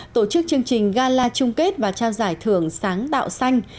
tổ chức chương trình gala chung kết và trao giải thưởng sáng tạo xanh